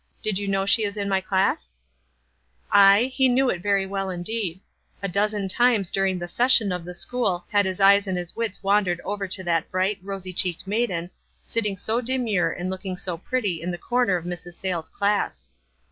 Did you know she was in my class ?" Aye. He knew it very well, indeed. A dozen times during the session of the school had his eyes and his wits wandered over to that bright, rosy che eked maiden, sitting so demure and looking so pretty in the corner of Mrs. Sayles' class.